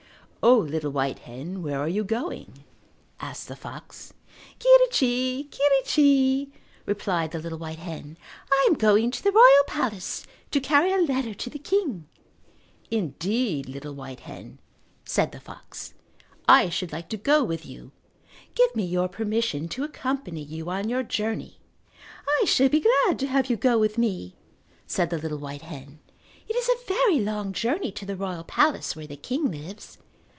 "O, little white hen, where are you going?" asked the fox. "Quirrichi, quirrichi," replied the little white hen, "I am going to the royal palace to carry a letter to the king." "Indeed, little white hen," said the fox, "I should like to go with you. Give me your permission to accompany you on your journey." "I shall be glad to have you go with me," said the little white hen. "It is a very long journey to the royal palace where the king lives.